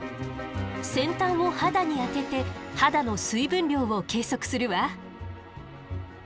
先端を肌に当てて肌の水分量を計測するわ。